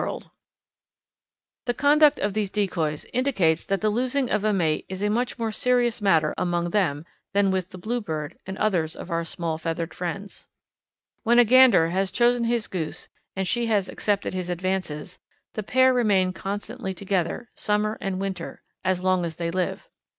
[Illustration: Canada Geese Decoys] The conduct of these decoys indicates that the losing of a mate is a much more serious matter among them than with the Bluebird and others of our small feathered friends. When a gander has chosen his goose and she has accepted his advances, the pair remain constantly together, summer and winter, as long as they live.